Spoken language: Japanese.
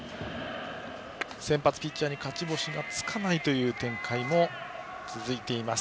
先発ピッチャーに勝ち星がつかないという展開も続いています。